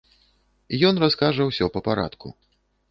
Ён раскажа ўсё па парадку.